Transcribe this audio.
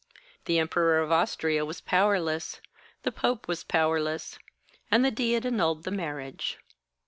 The Emperor of Austria was powerless, the Pope was powerless. And the Diet annulled the marriage."